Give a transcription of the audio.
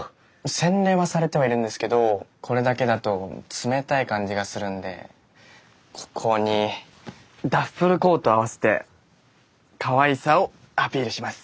洗練はされてはいるんですけどこれだけだと冷たい感じがするんでここにダッフルコートを合わせてかわいさをアピールします！